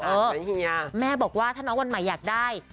อุ้ยแม่บอกว่าถ้าน้องบ่นหมายอยากได้